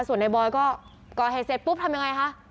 ส่วนในบอยก็ก่อเหตุเสร็จปุ๊บทำยังไงคะ